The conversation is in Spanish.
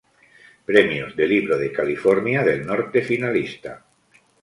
Premios de Libro de California del norte finalista.